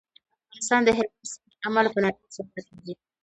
افغانستان د هلمند سیند له امله په نړۍ شهرت لري.